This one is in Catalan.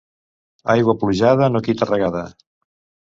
Aigua plujada no quita regada.